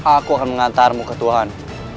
aku akan mengantarmu ke tuhan